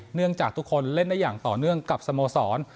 เนื่องจากทุกคนเล่นได้อย่างต่อเนื่องกับสโมสร